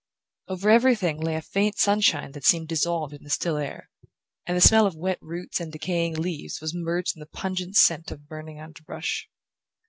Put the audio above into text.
Over everything lay a faint sunshine that seemed dissolved in the still air, and the smell of wet roots and decaying leaves was merged in the pungent scent of burning underbrush.